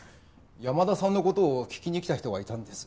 山田さんの事を聞きに来た人がいたんです。